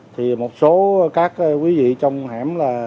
thì một số các quý vị trong hẻm